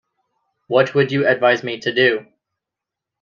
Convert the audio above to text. What would you advise me to do?